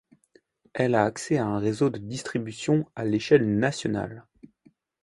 Elle a accès à un réseau de distribution à l'échelle nationale.